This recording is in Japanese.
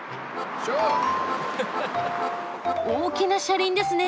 大きな車輪ですね。